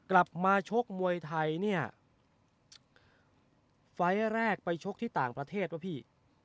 ชกมวยไทยเนี่ยไฟล์แรกไปชกที่ต่างประเทศป่ะพี่